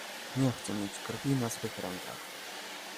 Nie chce mieć krwi na swych rękach!